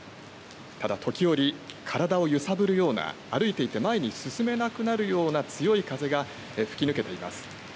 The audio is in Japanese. ただ時折体を揺さぶるような歩いていて前に進めなくなるような強い風が吹き抜けています。